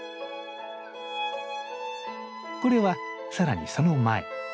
これはさらにその前。